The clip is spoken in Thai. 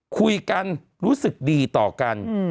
คุยกันรู้สึกดีต่อกัน